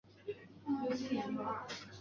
终于今天搞定了